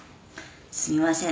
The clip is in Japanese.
「すいません。